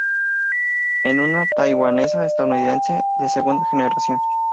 Es una taiwanesa-estadounidense de segunda generación.